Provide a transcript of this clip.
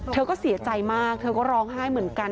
เธอก็เสียใจมากเธอก็ร้องไห้เหมือนกัน